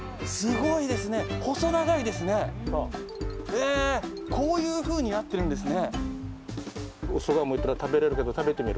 へこういうふうになってるんですね。